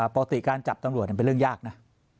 ปกติการจับตำรวจเป็นเรื่องยากนะ